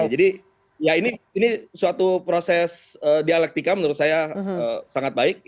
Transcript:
jadi ya ini suatu proses dialektika menurut saya sangat baik